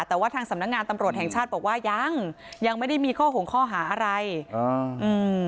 แต่ว่าทางสำนักงานตำรวจแห่งชาติบอกว่ายังยังไม่ได้มีข้อหงข้อหาอะไรอ่าอืม